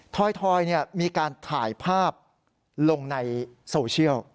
ถอยมีการถ่ายภาพลงในโซเชียล